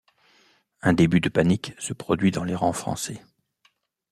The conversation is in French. Un début de panique se produit dans les rangs français.